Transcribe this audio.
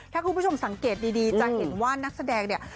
ถ้าคุณผู้ชมสังเกตดีจะเห็นว่านักแสดงเนี่ย